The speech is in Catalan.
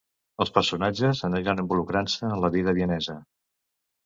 Els personatges aniran involucrant-se en la vida vienesa.